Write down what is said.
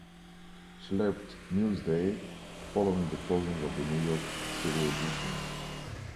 She left "Newsday" following the closing of the New York City edition.